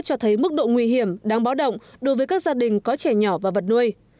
cho thấy mức độ nguy hiểm đáng báo động đối với các gia đình có trẻ nhỏ và vật nuôi